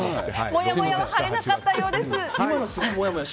もやもやは晴れなかったようです。